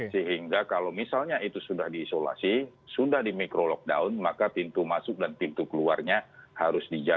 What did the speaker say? sehingga kalau misalnya itu sudah diisolasi sudah di micro lockdown maka pintu masuk dan pintu keluarnya harus dijaga